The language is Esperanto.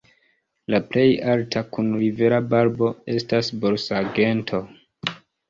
La plej alta, kun rivera barbo, estas borsagento.